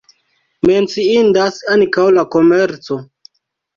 Menciindas ankaŭ la komerco.